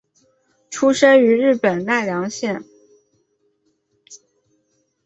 出身于日本奈良县。